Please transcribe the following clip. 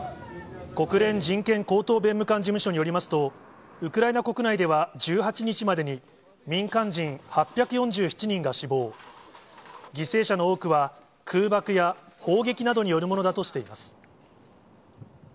国連人権高等弁務官事務所によりますと、ウクライナ国内では１８日までに、民間人８４７人が死亡、犠牲者の多くは空爆や砲撃などによるものだとしています。